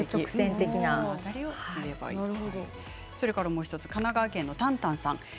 もう１つ神奈川県の方です。